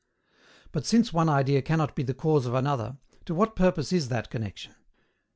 But, since one idea cannot be the cause of another, to what purpose is that connexion?